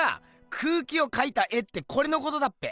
空気を描いた絵ってこれのことだっぺ。